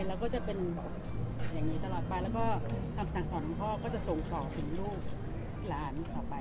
เราก็จะเป็นอย่างงี้ตลอดไปแล้วก็คำสั่งสอนพ่อก็จะส่งของถึงลูกร้านต่อไป